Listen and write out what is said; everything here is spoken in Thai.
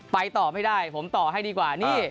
ต่อไม่ได้ผมต่อให้ดีกว่านี่